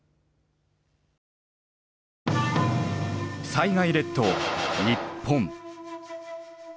災害列島日本。